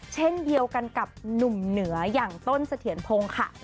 เช่นเดียวกันกับหนุ่มเหนืออย่างต้นเสถียรพงศ์ค่ะ